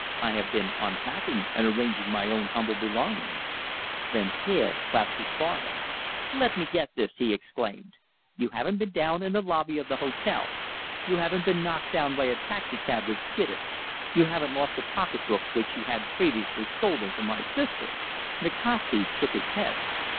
I have been unpacking and arranging my own humble belongings." Van Teyl clasped his forehead. "Let me get this!" he exclaimed. "You haven't been down in the lobby of the hotel, you haven't been knocked down by a taxicab that skidded, you haven't lost a pocketbook which you had previously stolen from my sister?" Nikasti shook his head.